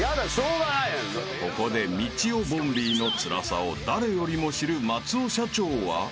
［ここでみちおボンビーのつらさを誰よりも知る松尾社長は］